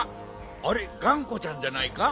あれがんこちゃんじゃないか？